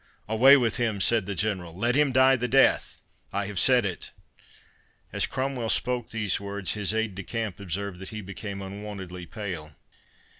'" "Away with him," said the General; "let him die the death.—I have said it." As Cromwell spoke these words, his aide de camp observed that he became unwontedly pale.